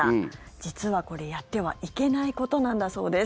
実はこれ、やってはいけないことなんだそうです。